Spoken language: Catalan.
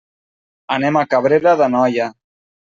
Anem a Cabrera d'Anoia.